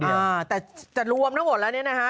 อ่าแต่รวมทั้งหมดแล้วนะฮะ